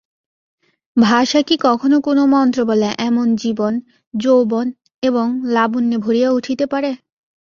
ভাষা কি কখনো কোনো মন্ত্রবলে এমন জীবন, যৌবন এবং লাবণ্যে ভরিয়া উঠিতে পারে।